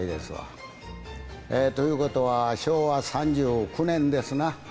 ということは昭和３９年ですな。